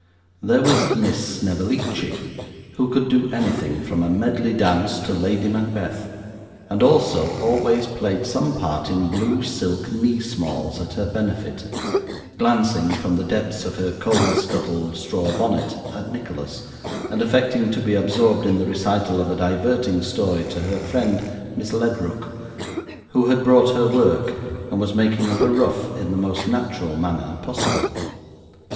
There was Miss Snevellicci who could do anything, from a medley dance to Lady Macbeth, and also always played some part in blue silk knee smalls at her benefit glancing, from the depths of her coal scuttle straw bonnet, at Nicholas, and affecting to be absorbed in the recital of a diverting story to her friend Miss Ledrook, who had brought her work, and was making up a ruff in the most natural manner possible.